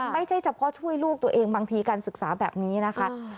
ไม่ใช่เฉพาะช่วยลูกตัวเองบางทีการศึกษาแบบนี้นะคะ